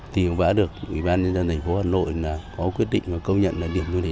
thì cũng đã được ủy ban nhân dân thành phố hà nội có quyết định và công nhận là điểm du lịch